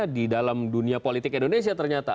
di dalam dunia politik indonesia ternyata